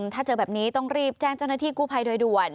ถ้าเจอแบบนี้ต้องรีบแจ้งเจ้าหน้าที่กู้ภัยโดยด่วน